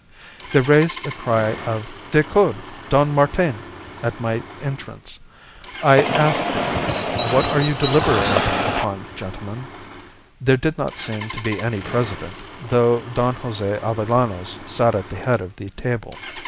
"They raised a cry of 'Decoud! Don Martin!' at my entrance. I asked them, 'What are you deliberating upon, gentlemen?' There did not seem to be any president, though Don Jose Avellanos sat at the head of the table.